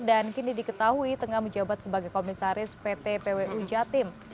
dan kini diketahui tengah menjawab sebagai komisaris pt pwu jatim